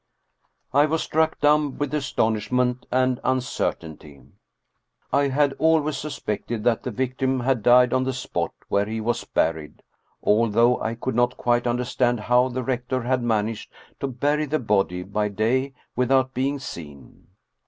I was struck dumb with astonishment and uncertainty. I had always suspected that the victim had died on the spot where he was buried, although I could not quite un derstand how the rector had managed to bury the body by day without being seen.